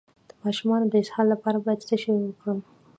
د ماشوم د اسهال لپاره باید څه شی ورکړم؟